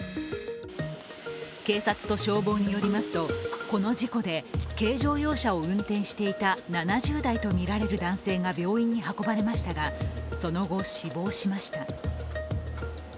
警察と消防によりますとこの事故で軽乗用車を運転していた７０代とみられる男性が病院に運ばれましたが、その後死亡しました。